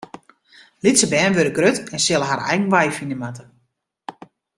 Lytse bern wurde grut en sille har eigen wei fine moatte.